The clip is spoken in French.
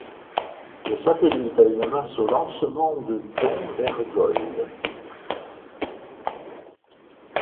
Le satellite a une masse au lancement de dont d'ergols.